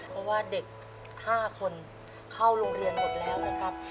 เพราะว่าเด็ก๕คนเข้าโรงเรียนหมดแล้วนะครับ